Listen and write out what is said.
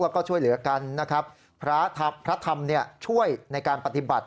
แล้วก็ช่วยเหลือกันนะครับพระธรรมช่วยในการปฏิบัติ